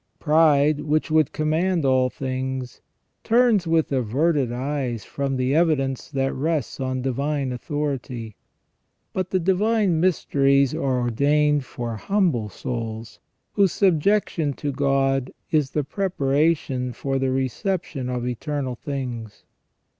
Pride, which would command all things, turns with averted eyes from the evidence that rests on divine authority. But the divine mysteries are ordained for humble souls, whose subjection to God is the prepara tion for the reception of eternal things.